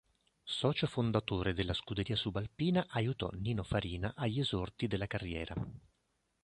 Socio fondatore della Scuderia Subalpina, aiutò Nino Farina agli esordi della carriera.